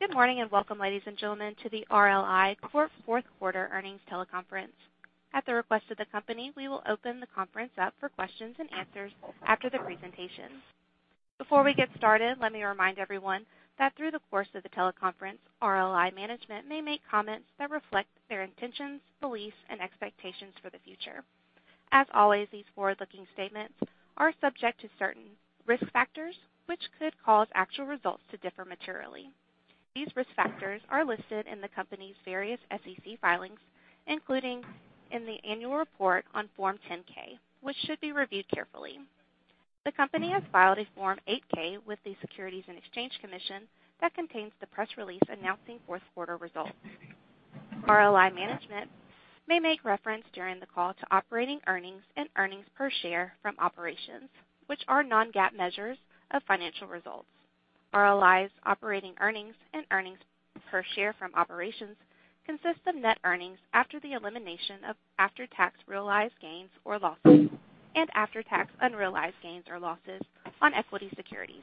Good morning, welcome, ladies and gentlemen, to the RLI Corp fourth quarter earnings teleconference. At the request of the company, we will open the conference up for questions and answers after the presentation. Before we get started, let me remind everyone that through the course of the teleconference, RLI management may make comments that reflect their intentions, beliefs, and expectations for the future. As always, these forward-looking statements are subject to certain risk factors, which could cause actual results to differ materially. These risk factors are listed in the company's various SEC filings, including in the annual report on Form 10-K, which should be reviewed carefully. The company has filed a Form 8-K with the Securities and Exchange Commission that contains the press release announcing fourth quarter results. RLI management may make reference during the call to operating earnings and earnings per share from operations, which are non-GAAP measures of financial results. RLI's operating earnings and earnings per share from operations consist of net earnings after the elimination of after-tax realized gains or losses and after-tax unrealized gains or losses on equity securities.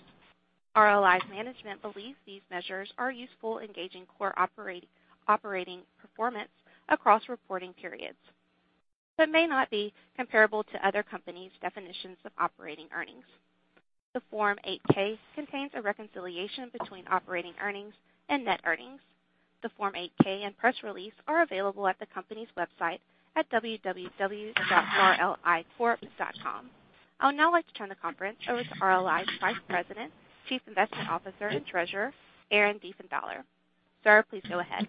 RLI's management believes these measures are useful in gauging core operating performance across reporting periods but may not be comparable to other companies' definitions of operating earnings. The Form 8-K contains a reconciliation between operating earnings and net earnings. The Form 8-K and press release are available at the company's website at www.rlicorp.com. I would now like to turn the conference over to RLI's Vice President, Chief Investment Officer, and Treasurer, Aaron Diefenthaler. Sir, please go ahead.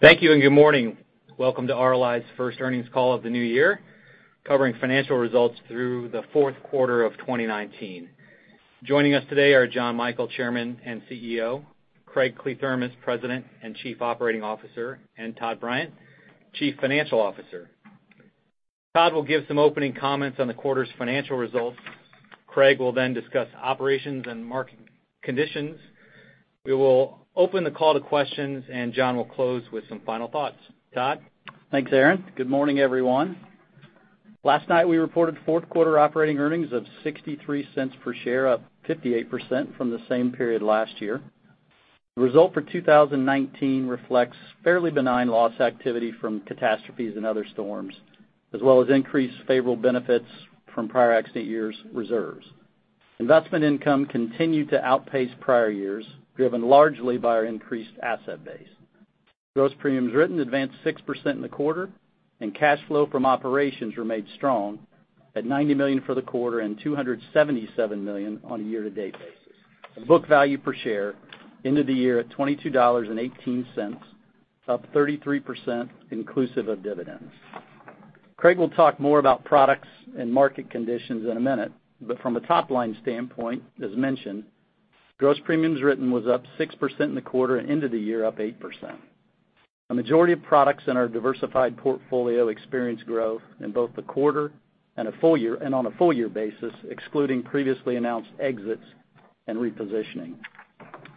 Thank you. Good morning. Welcome to RLI's first earnings call of the new year, covering financial results through the fourth quarter of 2019. Joining us today are Jonathan Michael, Chairman and CEO, Craig Kliethermes, President and Chief Operating Officer, and Todd Bryant, Chief Financial Officer. Todd will give some opening comments on the quarter's financial results. Craig will discuss operations and market conditions. We will open the call to questions, John will close with some final thoughts. Todd? Thanks, Aaron. Good morning, everyone. Last night, we reported fourth quarter operating earnings of $0.63 per share, up 58% from the same period last year. The result for 2019 reflects fairly benign loss activity from catastrophes and other storms, as well as increased favorable benefits from prior accident years' reserves. Investment income continued to outpace prior years, driven largely by our increased asset base. Gross premiums written advanced 6% in the quarter, cash flow from operations remained strong at $90 million for the quarter and $277 million on a year-to-date basis. The book value per share ended the year at $22.18, up 33% inclusive of dividends. Craig will talk more about products and market conditions in a minute. From a top-line standpoint, as mentioned, gross premiums written was up 6% in the quarter and ended the year up 8%. A majority of products in our diversified portfolio experienced growth in both the quarter and on a full-year basis, excluding previously announced exits and repositioning.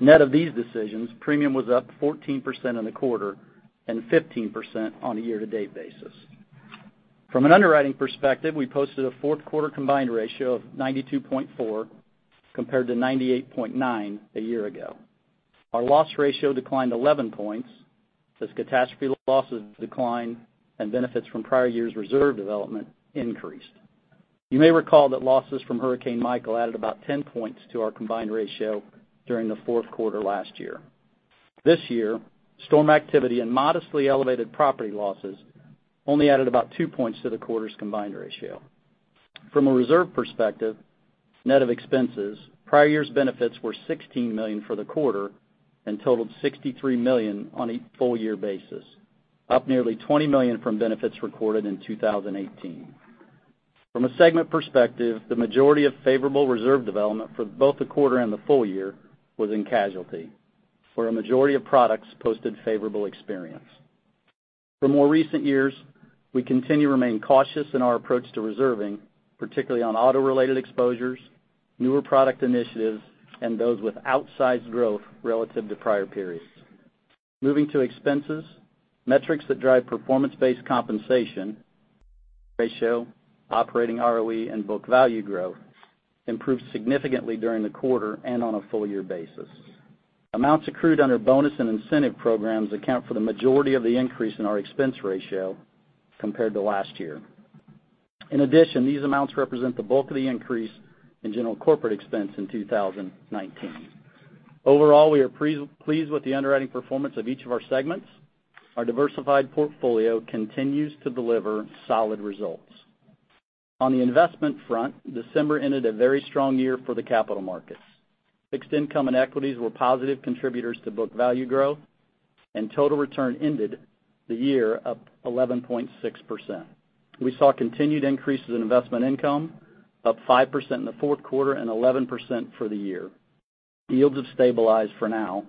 Net of these decisions, premium was up 14% in the quarter and 15% on a year-to-date basis. From an underwriting perspective, we posted a fourth quarter combined ratio of 92.4 compared to 98.9 a year ago. Our loss ratio declined 11 points as catastrophe losses declined and benefits from prior years' reserve development increased. You may recall that losses from Hurricane Michael added about 10 points to our combined ratio during the fourth quarter last year. This year, storm activity and modestly elevated property losses only added about two points to the quarter's combined ratio. From a reserve perspective, net of expenses, prior year's benefits were $16 million for the quarter and totaled $63 million on a full year basis, up nearly $20 million from benefits recorded in 2018. From a segment perspective, the majority of favorable reserve development for both the quarter and the full year was in casualty, where a majority of products posted favorable experience. For more recent years, we continue to remain cautious in our approach to reserving, particularly on auto-related exposures, newer product initiatives, and those with outsized growth relative to prior periods. Moving to expenses, metrics that drive performance-based compensation, ratio, operating ROE, and book value growth improved significantly during the quarter and on a full year basis. Amounts accrued under bonus and incentive programs account for the majority of the increase in our expense ratio compared to last year. In addition, these amounts represent the bulk of the increase in general corporate expense in 2019. Overall, we are pleased with the underwriting performance of each of our segments. Our diversified portfolio continues to deliver solid results. On the investment front, December ended a very strong year for the capital markets. Fixed income and equities were positive contributors to book value growth, and total return ended the year up 11.6%. We saw continued increases in investment income, up 5% in the fourth quarter and 11% for the year. Yields have stabilized for now,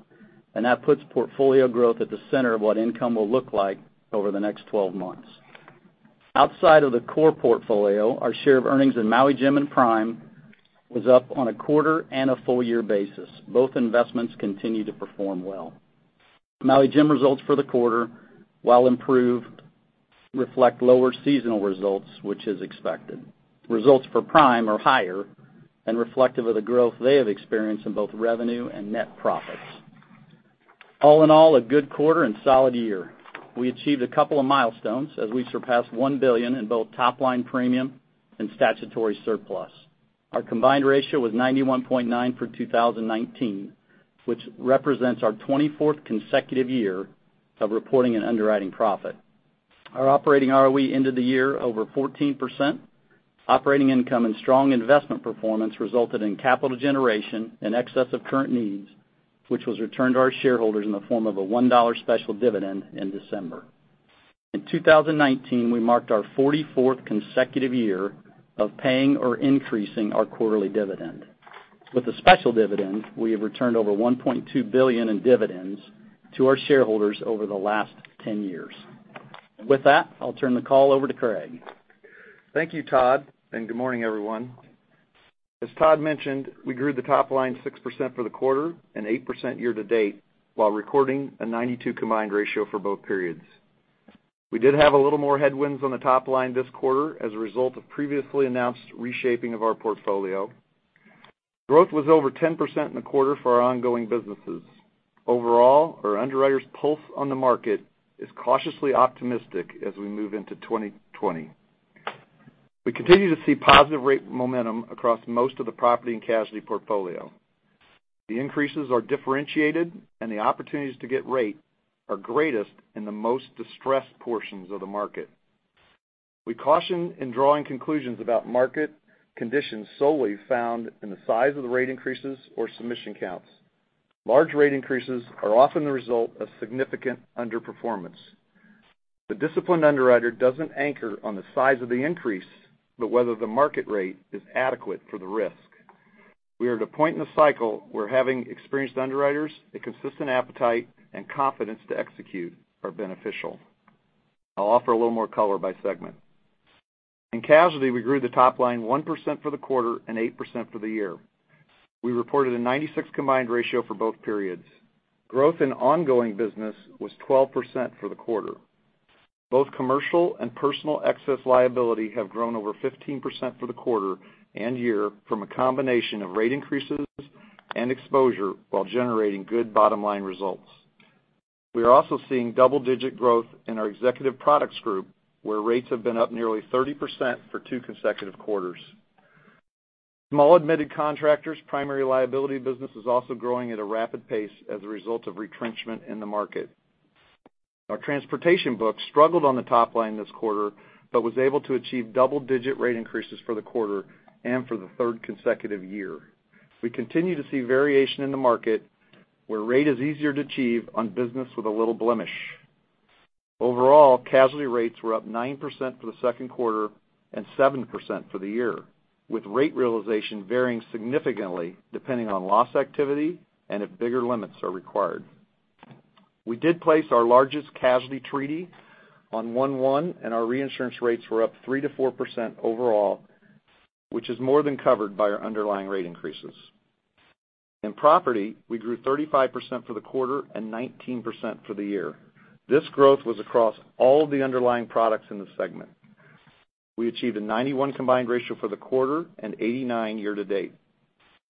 and that puts portfolio growth at the center of what income will look like over the next 12 months. Outside of the core portfolio, our share of earnings in Maui Jim and Prime was up on a quarter and a full year basis. Both investments continue to perform well. Maui Jim results for the quarter, while improved reflect lower seasonal results, which is expected. Results for Prime are higher and reflective of the growth they have experienced in both revenue and net profits. All in all, a good quarter and solid year. We achieved a couple of milestones as we surpassed $1 billion in both top-line premium and statutory surplus. Our combined ratio was 91.9 for 2019, which represents our 24th consecutive year of reporting an underwriting profit. Our operating ROE ended the year over 14%. Operating income and strong investment performance resulted in capital generation in excess of current needs, which was returned to our shareholders in the form of a $1 special dividend in December. In 2019, we marked our 44th consecutive year of paying or increasing our quarterly dividend. With the special dividend, we have returned over $1.2 billion in dividends to our shareholders over the last 10 years. With that, I'll turn the call over to Craig. Thank you, Todd, and good morning, everyone. As Todd mentioned, we grew the top line 6% for the quarter and 8% year to date while recording a 92 combined ratio for both periods. We did have a little more headwinds on the top line this quarter as a result of previously announced reshaping of our portfolio. Growth was over 10% in the quarter for our ongoing businesses. Overall, our underwriters' pulse on the market is cautiously optimistic as we move into 2020. We continue to see positive rate momentum across most of the property and casualty portfolio. The increases are differentiated, and the opportunities to get rate are greatest in the most distressed portions of the market. We caution in drawing conclusions about market conditions solely found in the size of the rate increases or submission counts. Large rate increases are often the result of significant underperformance. The disciplined underwriter doesn't anchor on the size of the increase, but whether the market rate is adequate for the risk. We are at a point in the cycle where having experienced underwriters, a consistent appetite, and confidence to execute are beneficial. I'll offer a little more color by segment. In casualty, we grew the top line 1% for the quarter and 8% for the year. We reported a 96 combined ratio for both periods. Growth in ongoing business was 12% for the quarter. Both commercial and personal excess liability have grown over 15% for the quarter and year from a combination of rate increases and exposure while generating good bottom-line results. We are also seeing double-digit growth in our executive products group, where rates have been up nearly 30% for two consecutive quarters. Small admitted contractors' primary liability business is also growing at a rapid pace as a result of retrenchment in the market. Our transportation book struggled on the top line this quarter, was able to achieve double-digit rate increases for the quarter and for the third consecutive year. We continue to see variation in the market, where rate is easier to achieve on business with a little blemish. Overall, casualty rates were up 9% for the second quarter and 7% for the year, with rate realization varying significantly depending on loss activity and if bigger limits are required. We did place our largest casualty treaty on 1/1, our reinsurance rates were up 3%-4% overall, which is more than covered by our underlying rate increases. In property, we grew 35% for the quarter and 19% for the year. This growth was across all the underlying products in the segment. We achieved a 91 combined ratio for the quarter and 89 year-to-date.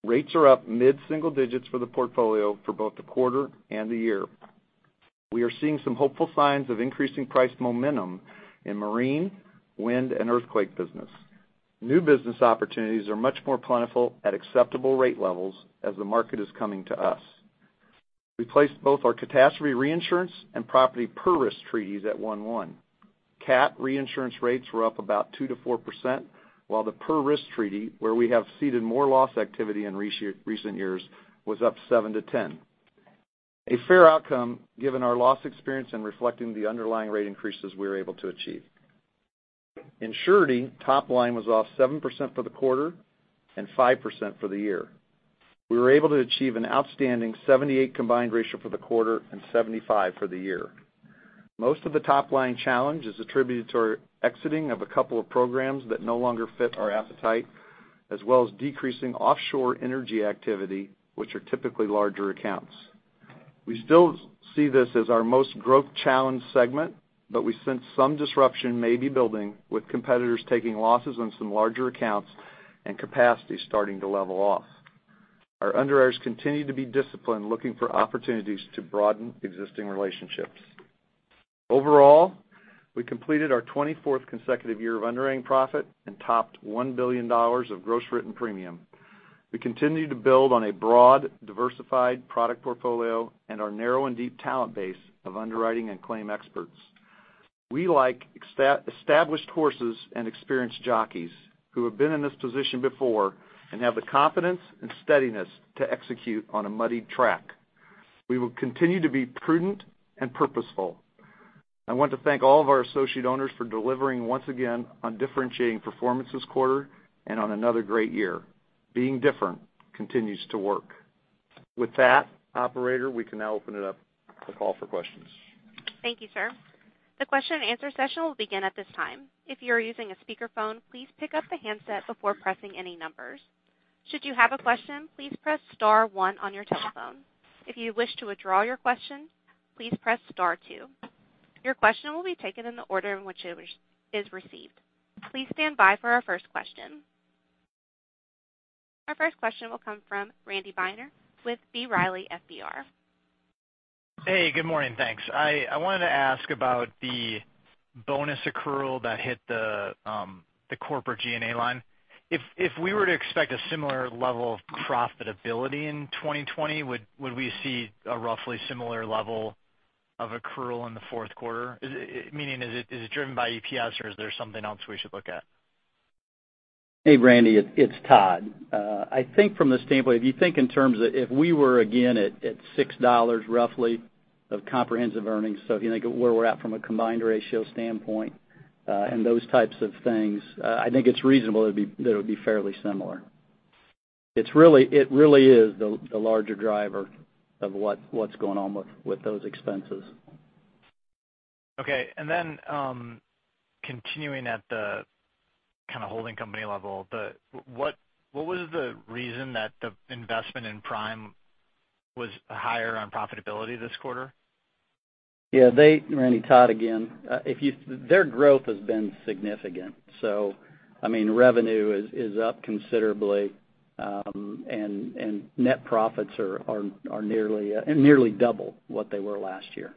Rates are up mid-single digits for the portfolio for both the quarter and the year. We are seeing some hopeful signs of increasing price momentum in marine, wind, and earthquake business. New business opportunities are much more plentiful at acceptable rate levels as the market is coming to us. We placed both our catastrophe reinsurance and property per-risk treaties at 1/1. Cat reinsurance rates were up about 2%-4%, while the per-risk treaty, where we have seeded more loss activity in recent years, was up 7%-10%. A fair outcome given our loss experience in reflecting the underlying rate increases we were able to achieve. In surety, top line was off 7% for the quarter and 5% for the year. We were able to achieve an outstanding 78 combined ratio for the quarter and 75 for the year. Most of the top-line challenge is attributed to our exiting of a couple of programs that no longer fit our appetite, as well as decreasing offshore energy activity, which are typically larger accounts. We still see this as our most growth-challenged segment. We sense some disruption may be building with competitors taking losses on some larger accounts and capacity starting to level off. Our underwriters continue to be disciplined, looking for opportunities to broaden existing relationships. Overall, we completed our 24th consecutive year of underwriting profit and topped $1 billion of gross written premium. We continue to build on a broad, diversified product portfolio and our narrow and deep talent base of underwriting and claim experts. We like established horses and experienced jockeys who have been in this position before and have the confidence and steadiness to execute on a muddy track. We will continue to be prudent and purposeful. I want to thank all of our associate owners for delivering once again on differentiating performance this quarter and on another great year. Being different continues to work. Operator, we can now open it up to call for questions. Thank you, sir. The question and answer session will begin at this time. If you are using a speakerphone, please pick up the handset before pressing any numbers. Should you have a question, please press star one on your telephone. If you wish to withdraw your question, please press star two. Your question will be taken in the order in which it is received. Please stand by for our first question. Our first question will come from Randy Binner with B. Riley FBR. Hey, good morning. Thanks. I wanted to ask about the bonus accrual that hit the corporate G&A line. If we were to expect a similar level of profitability in 2020, would we see a roughly similar level of accrual in the fourth quarter? Meaning, is it driven by EPS or is there something else we should look at? Hey, Randy. It's Todd. I think from the standpoint of, if you think in terms of if we were again at $6 roughly of comprehensive earnings, if you think of where we're at from a combined ratio standpoint, and those types of things, I think it's reasonable that it would be fairly similar. It really is the larger driver of what's going on with those expenses. Okay. Then, continuing at the kind of holding company level, what was the reason that the investment in Prime was higher on profitability this quarter? Yeah. Randy, Todd again. Their growth has been significant, revenue is up considerably, and net profits are nearly double what they were last year.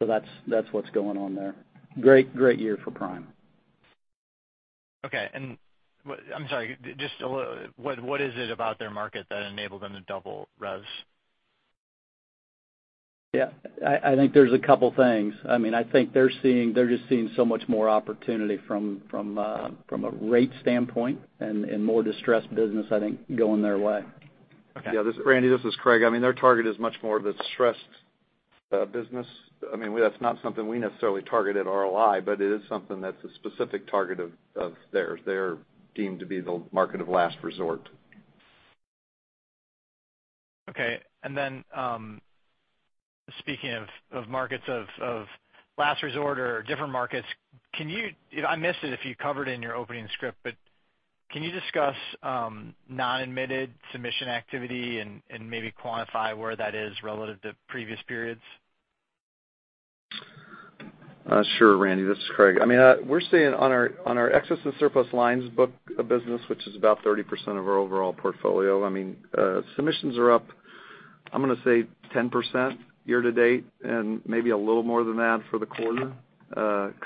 That's what's going on there. Great year for Prime. Okay. I'm sorry, just what is it about their market that enabled them to double revs? Yeah, I think there's a couple things. I think they're just seeing so much more opportunity from a rate standpoint and more distressed business, I think going their way. Okay. Yeah, Randy, this is Craig. Their target is much more of a distressed business. That's not something we necessarily target at RLI, but it is something that's a specific target of theirs. They're deemed to be the market of last resort. Okay. Speaking of markets of last resort or different markets, I missed it if you covered it in your opening script, but can you discuss non-admitted submission activity and maybe quantify where that is relative to previous periods? Sure, Randy, this is Craig. We're seeing on our excess and surplus lines book of business, which is about 30% of our overall portfolio, submissions are up, I'm going to say 10% year-to-date, and maybe a little more than that for the quarter,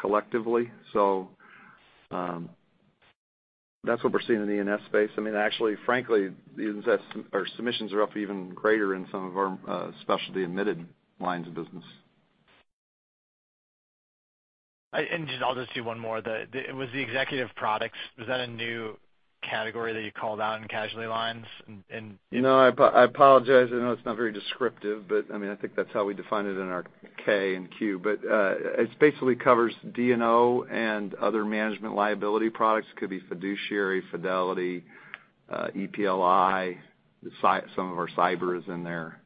collectively. That's what we're seeing in the E&S space. Actually, frankly, our submissions are up even greater in some of our specialty admitted lines of business. Just I'll just do one more. Was the executive products, was that a new category that you called out in casualty lines and- No, I apologize. I know it's not very descriptive, but I think that's how we defined it in our K and Q. It basically covers D&O and other management liability products. Could be fiduciary, fidelity, EPLI, some of our cyber is in there.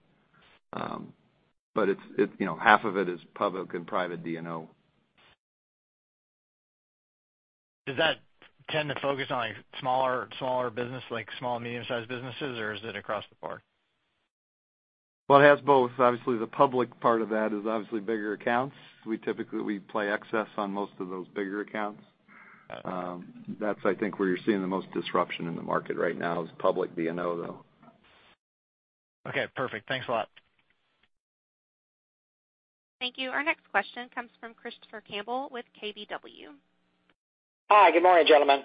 Half of it is public and private D&O. Does that tend to focus on smaller business, like small, medium-sized businesses, or is it across the board? Well, it has both. Obviously, the public part of that is obviously bigger accounts. We typically play excess on most of those bigger accounts. Got it. That's, I think, where you're seeing the most disruption in the market right now is public D&O, though. Okay, perfect. Thanks a lot. Thank you. Our next question comes from Christopher Campbell with KBW. Hi, good morning, gentlemen.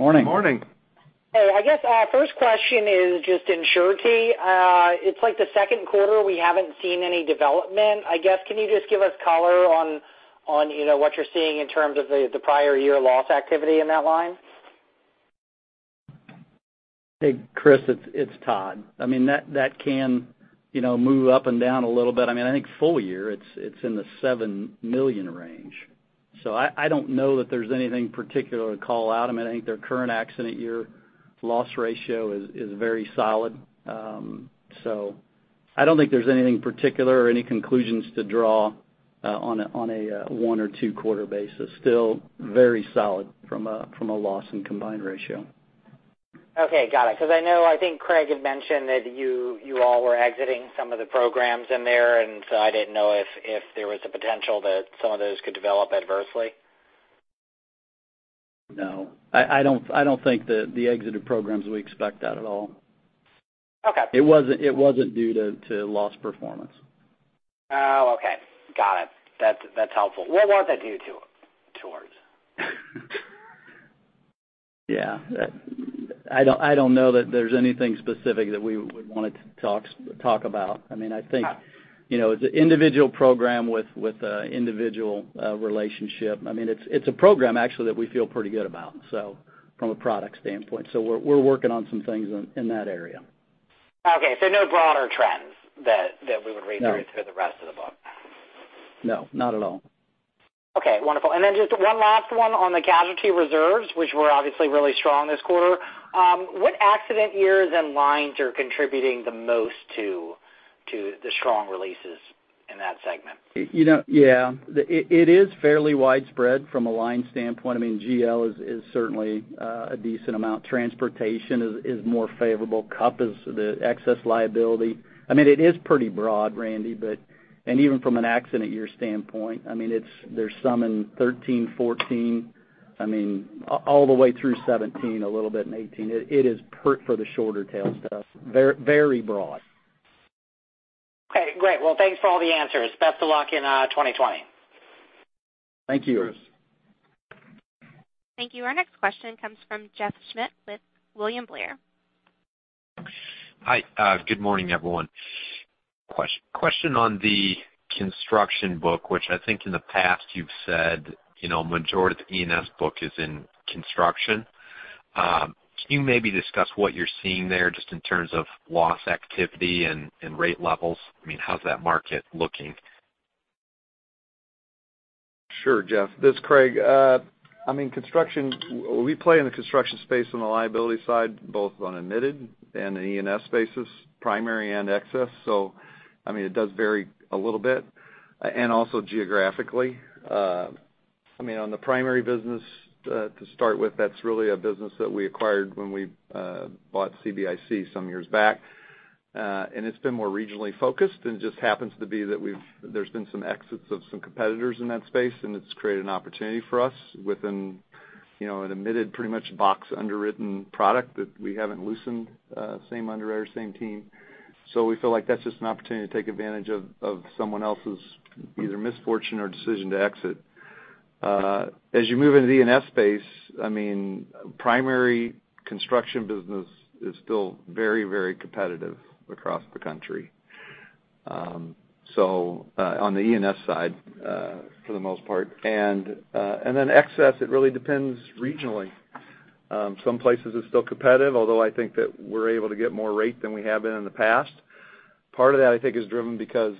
Morning. Morning. Hey. I guess first question is just in Surety. It's like the second quarter, we haven't seen any development. I guess, can you just give us color on what you're seeing in terms of the prior year loss activity in that line? Hey, Chris, it's Todd. That can move up and down a little bit. I think full year, it's in the $7 million range. I don't know that there's anything particular to call out. I think their current accident year loss ratio is very solid. I don't think there's anything particular or any conclusions to draw on a one or two quarter basis. Still very solid from a loss and combined ratio. Okay, got it. I know, I think Craig had mentioned that you all were exiting some of the programs in there, and so I didn't know if there was the potential that some of those could develop adversely. No. I don't think the exited programs we expect that at all. Okay. It wasn't due to loss performance. Oh, okay. Got it. That's helpful. What was it due towards? Yeah. I don't know that there's anything specific that we would want to talk about. I think it's an individual program with an individual relationship. It's a program, actually, that we feel pretty good about from a product standpoint. We're working on some things in that area. Okay. No broader trends that we would read through- No the rest of the book? No, not at all. Okay, wonderful. Just one last one on the casualty reserves, which were obviously really strong this quarter. What accident years and lines are contributing the most to the strong releases in that segment? It is fairly widespread from a line standpoint. GL is certainly a decent amount. Transportation is more favorable. CUP is the excess liability. It is pretty broad, Randy, but even from an accident year standpoint, there is some in 2013, 2014, all the way through 2017, a little bit in 2018. It is part for the shorter tail stuff. Very broad. Okay, great. Well, thanks for all the answers. Best of luck in 2020. Thank you. Thank you. Our next question comes from Jeff Schmitt with William Blair. Hi. Good morning, everyone. Question on the construction book, which I think in the past you've said majority of the E&S book is in construction. Can you maybe discuss what you're seeing there, just in terms of loss activity and rate levels? How's that market looking? Sure, Jeff. This is Craig. We play in the construction space on the liability side, both on admitted and the E&S spaces, primary and excess. It does vary a little bit. Also geographically. On the primary business to start with, that's really a business that we acquired when we bought CBIC some years back. It's been more regionally focused, and it just happens to be that there's been some exits of some competitors in that space, and it's created an opportunity for us with an admitted pretty much box underwritten product that we haven't loosened. Same underwriter, same team. We feel like that's just an opportunity to take advantage of someone else's either misfortune or decision to exit. As you move into the E&S space, primary construction business is still very competitive across the country, on the E&S side for the most part. Excess, it really depends regionally. Some places it's still competitive, although I think that we're able to get more rate than we have been in the past. Part of that, I think, is driven because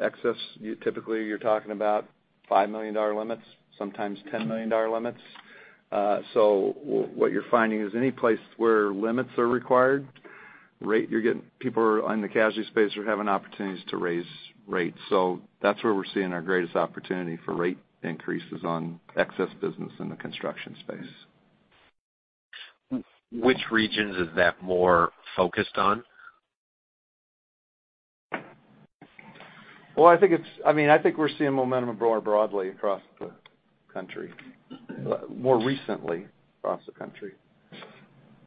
excess, typically you're talking about $5 million limits, sometimes $10 million limits. What you're finding is any place where limits are required, people on the casualty space are having opportunities to raise rates. That's where we're seeing our greatest opportunity for rate increases on excess business in the construction space. Which regions is that more focused on? I think we're seeing momentum more broadly across the country. More recently across the country.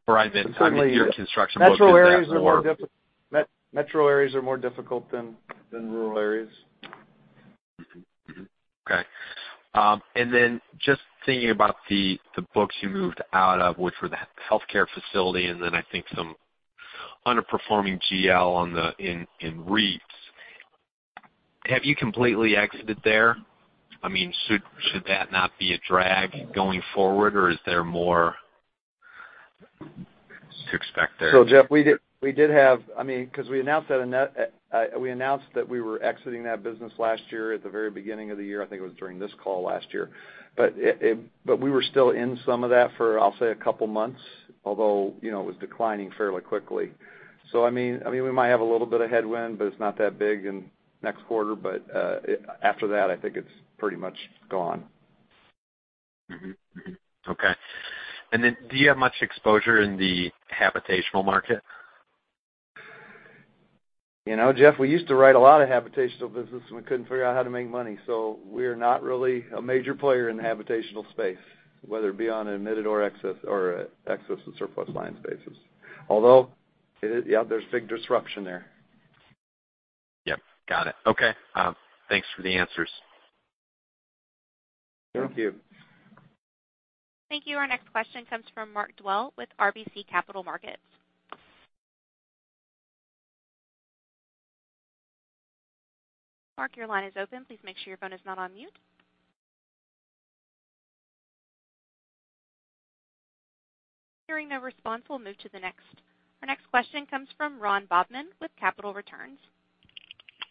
Right. I mean, your construction book is at more- Metro areas are more difficult than rural areas. Mm-hmm. Okay. Then just thinking about the books you moved out of, which were the healthcare facility and then I think some underperforming GL in REITs. Have you completely exited there? Should that not be a drag going forward, or is there more to expect there? Jeff, we announced that we were exiting that business last year at the very beginning of the year. I think it was during this call last year. But we were still in some of that for, I'll say, a couple of months, although it was declining fairly quickly. We might have a little bit of headwind, but it's not that big in next quarter, but after that, I think it's pretty much gone. Mm-hmm. Okay. Then do you have much exposure in the habitational market? Jeff, we used to write a lot of habitational business, we couldn't figure out how to make money. We're not really a major player in the habitational space, whether it be on an admitted or excess and surplus line basis. Although, yeah, there's big disruption there. Yep, got it. Okay. Thanks for the answers. Thank you. Thank you. Our next question comes from Mark Dwelle with RBC Capital Markets. Mark, your line is open. Please make sure your phone is not on mute. Hearing no response, we'll move to the next. Our next question comes from Ron Bobman with Capital Returns.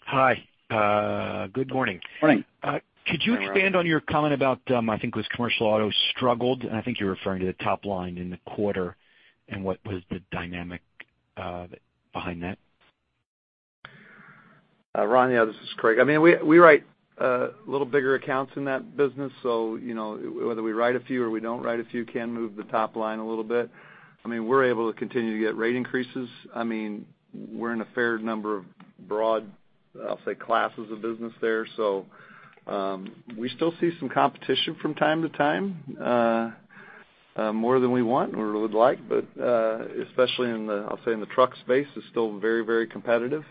Hi. Good morning. Morning. Could you expand on your comment about, I think it was commercial auto struggled, I think you were referring to the top line in the quarter, what was the dynamic behind that? Ron, yeah, this is Craig. We write little bigger accounts in that business, so whether we write a few or we don't write a few can move the top line a little bit. We're able to continue to get rate increases. We're in a fair number of broad, I'll say, classes of business there. We still see some competition from time to time, more than we want or would like, but especially in the truck space, it's still very competitive.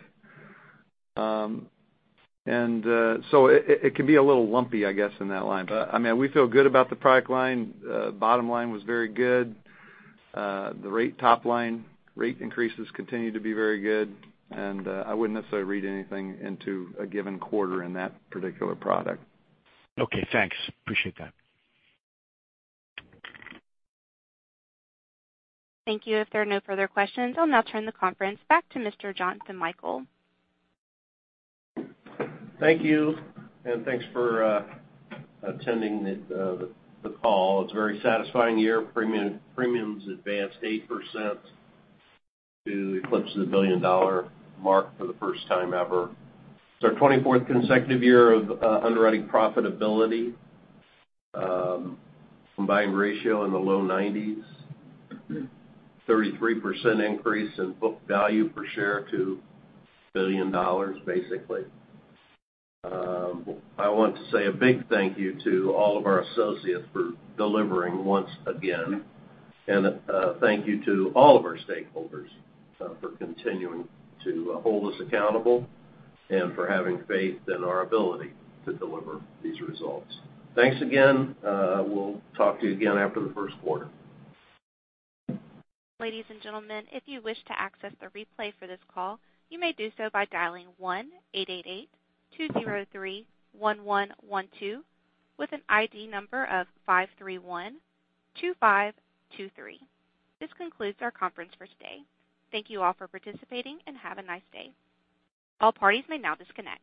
It can be a little lumpy, I guess, in that line. We feel good about the product line. Bottom line was very good. The rate top line, rate increases continue to be very good, I wouldn't necessarily read anything into a given quarter in that particular product. Okay, thanks. Appreciate that. Thank you. If there are no further questions, I'll now turn the conference back to Mr. Jonathan Michael. Thank you. Thanks for attending the call. It's a very satisfying year. Premiums advanced 8% to eclipse the billion-dollar mark for the first time ever. It's our 24th consecutive year of underwriting profitability. Combined ratio in the low 90s. 33% increase in book value per share to $1 billion, basically. I want to say a big thank you to all of our associates for delivering once again, and thank you to all of our stakeholders for continuing to hold us accountable and for having faith in our ability to deliver these results. Thanks again. We'll talk to you again after the first quarter. Ladies and gentlemen, if you wish to access the replay for this call, you may do so by dialing 1-888-203-1112 with an ID number of 5312523. This concludes our conference for today. Thank you all for participating, and have a nice day. All parties may now disconnect.